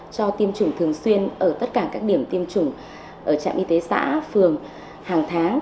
cho tiêm chủng thường xuyên ở tất cả các điểm tiêm chủng ở trạm y tế xã phường hàng tháng